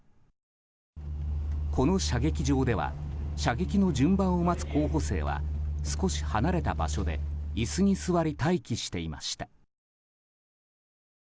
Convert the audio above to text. この射撃場では射撃の順番を待つ候補生は少し離れた場所で椅子に座り待機していました。